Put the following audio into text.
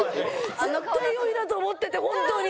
絶対４位だと思ってて本当に。